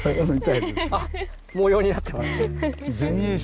あっ模様になってます。